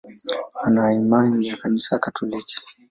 Ana imani ya Kanisa Katoliki.